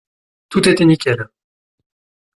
Tout était nickel!